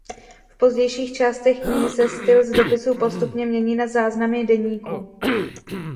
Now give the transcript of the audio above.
V pozdějších částech knihy se styl z dopisů postupně mění na záznamy deníku.